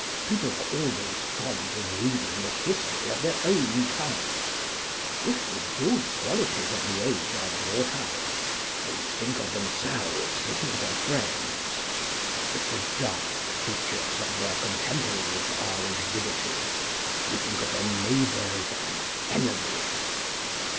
"People are always fond of reading the history of their own times. If the good qualities of the age are brought out, they think of themselves or their friends; if the dark features of their contemporaries are exhibited, they think of their neighbors and enemies.